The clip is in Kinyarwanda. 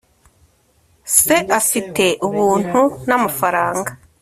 se afite ubuntu n'amafaranga